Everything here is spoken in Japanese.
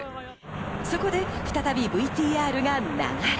そこで再びＶＴＲが流れ。